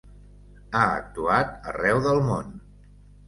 Ha actuat arreu del món.